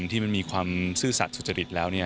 ที่มันมีความซื่อสัตว์สุจริตแล้ว